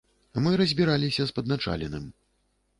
Мы разбіраліся з падначаленым.